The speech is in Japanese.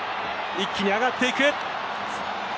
一気に上がっていく。